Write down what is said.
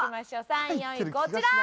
３位４位こちら！